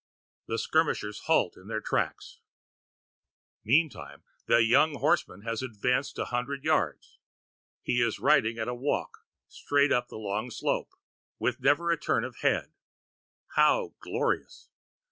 The skirmishers halt in their tracks. Meantime the young horseman has advanced a hundred yards. He is riding at a walk, straight up the long slope, with never a turn of the head. How glorious!